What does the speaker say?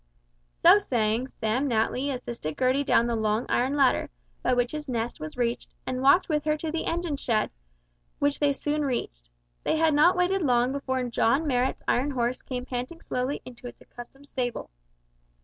So saying, Sam Natly assisted Gertie down the long iron ladder, by which his nest was reached, and walked with her to the engine shed, which they soon reached. They had not waited long before John Marrot's iron horse came panting slowly into its accustomed stable.